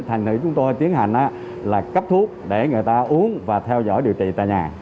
thành nữ chúng tôi tiến hành là cấp thuốc để người ta uống và theo dõi điều trị tại nhà